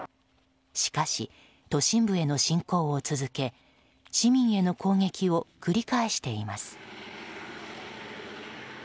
しかし、都心部への侵攻を続け市民への攻撃を繰り返しています。